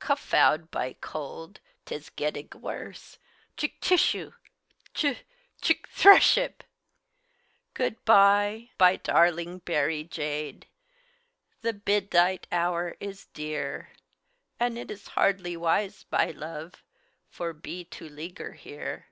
(Codfoud by cold, 'tis gettig worse Ck tish u! Ch ck thrash eb!) Good by, by darlig Bary Jade! The bid dight hour is dear; Add it is hardly wise, by love, For be to ligger here.